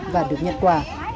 và được nhận quà